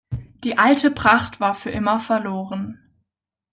Die alte Pracht war für immer verloren.